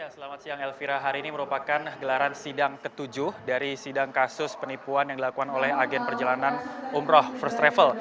selamat siang elvira hari ini merupakan gelaran sidang ketujuh dari sidang kasus penipuan yang dilakukan oleh agen perjalanan umroh first travel